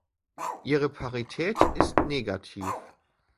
Ihre Parität ist negativ.